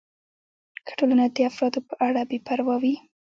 که ټولنه د دې افرادو په اړه بې پروا وي.